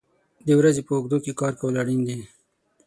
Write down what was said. د ورځې په اوږدو کې کار کول اړین دي.